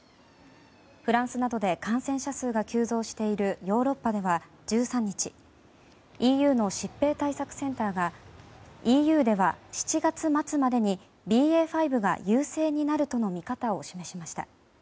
フランスなどで感染者数が急増しているヨーロッパでは、１３日ＥＵの疾病対策センターがＥＵでは７月末までにＢＡ．５が優勢になるとの見方を示しました。